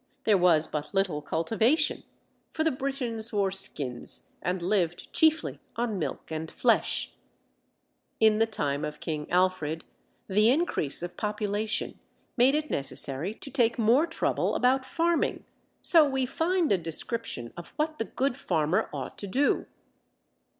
There was but little cultivation, for the Britons wore skins and lived chiefly on milk and flesh. Mr. Chisholm, Geographical Journal, November, 1897. In the time of King Alfred, the increase of population made it necessary to take more trouble about farming, so we find a description of what the good farmer ought to do.